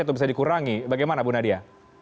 atau bisa dikurangi bagaimana bu nadia